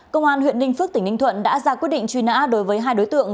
công an huyện ninh phước tỉnh ninh thuận đã ra quyết định truy nã đối với hai đối tượng